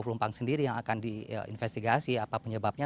pelumpang sendiri yang akan diinvestigasi apa penyebabnya